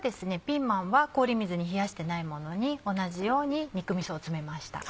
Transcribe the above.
ピーマンは氷水に冷やしてないものに同じように肉みそを詰めました。